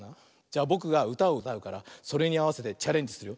じゃぼくがうたをうたうからそれにあわせてチャレンジする。